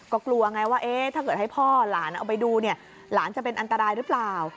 ก็กลัวไงว่าถ้าเกิดให้พ่อหลานเอาไปดูเนี่ยหลานจะเป็นอันตรายหรือเปล่า